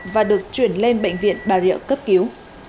và được chuyển lên bệnh viện bà rịa cấp cứu